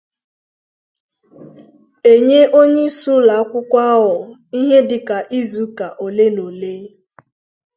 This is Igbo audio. e nye onyeisi ụlọakwụkwọ ahụ ihe dịka izu ụka ole na ole